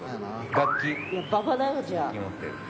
楽器持ってる。